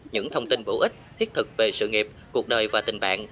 những thông tin bổ ích thiết thực về sự nghiệp cuộc đời và tình bạn